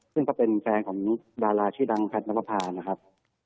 ซึ่งก็เป็นแฟนของดาราชื่อดังแพทย์นับประพานะครับ